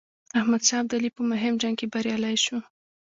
احمدشاه ابدالي په مهم جنګ کې بریالی شو.